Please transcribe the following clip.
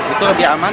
itu lebih aman